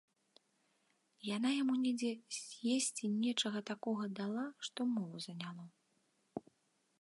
Яна яму недзе з есці нечага такога дала, што мову заняло.